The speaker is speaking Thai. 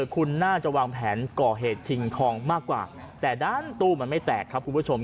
คุณน่าจะวางแผนก่อเหตุชิงทองมากกว่าแต่ด้านตู้มันไม่แตกครับคุณผู้ชม